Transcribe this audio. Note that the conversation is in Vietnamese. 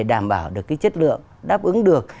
đảm bảo được cái chất lượng đáp ứng được